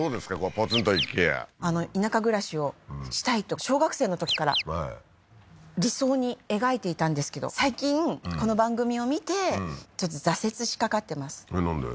ポツンと一軒家田舎暮らしをしたいと小学生のときから理想に描いていたんですけど最近この番組を見てちょっと挫折しかかってますなんで？